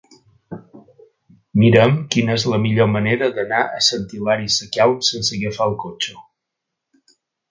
Mira'm quina és la millor manera d'anar a Sant Hilari Sacalm sense agafar el cotxe.